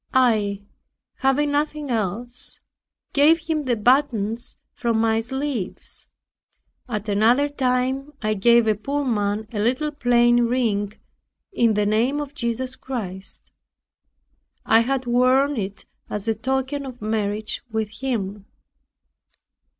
I, having nothing else, gave him the buttons from my sleeves. At another time I gave a poor man a little plain ring, in the name of Jesus Christ. I had worn it as a token of marriage with Him.